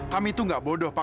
kami itu nggak bodoh pak